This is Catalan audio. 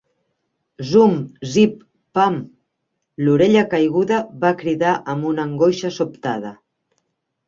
Zum-zip-pam. L'orella caiguda va cridar amb una angoixa sobtada.